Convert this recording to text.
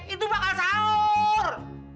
itu bakal sahur